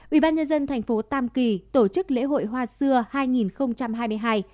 ubnd thành phố tam kỳ tổ chức lễ hội hoa xưa hai nghìn hai mươi hai